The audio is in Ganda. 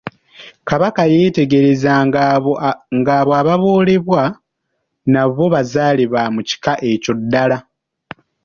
Ssekabaka yeetegereza ng'abo ababoolebwa nabo bazaale ba mu kika ekyo ddala.